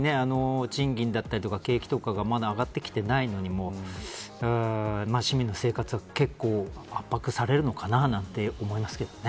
でも、賃金だったり景気とかがまだ上がってきていないので市民の生活は結構、圧迫されるのかな